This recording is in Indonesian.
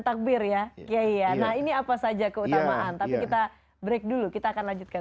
takbir ya kiai ya nah ini apa saja keutamaan tapi kita break dulu kita akan lanjutkan